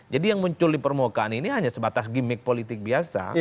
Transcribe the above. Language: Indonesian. jadi yang muncul di permukaan ini hanya sebatas gimmick politik biasa